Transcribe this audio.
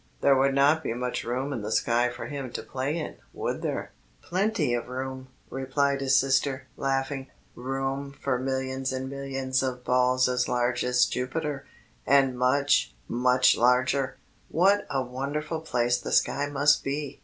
"There would not be much room in the sky for him to play in, would there?" [Illustration: GIANT JUPITER AND THE EARTH.] "Plenty of room," replied his sister, laughing; "room for millions and millions of balls as large as Jupiter, and much, much larger." "What a wonderful place the sky must be!"